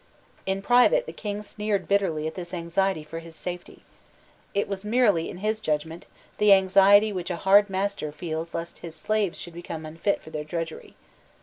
In private the King sneered bitterly at this anxiety for his safety. It was merely, in his judgment, the anxiety which a hard master feels lest his slaves should become unfit for their drudgery.